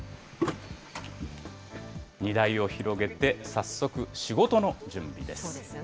荷台を広げて、早速仕事の準備です。